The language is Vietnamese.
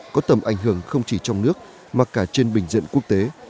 có tầm ảnh hưởng không chỉ trong nước mà cả trên bình diện quốc tế